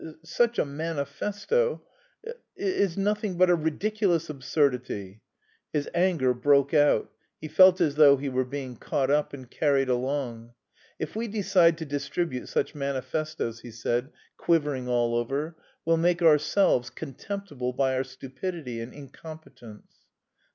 such a manifesto... is nothing but a ridiculous absurdity." His anger broke out; he felt as though he were being caught up and carried along. "If we decide to distribute such manifestoes," he said, quivering all over, "we'll make ourselves, contemptible by our stupidity and incompetence."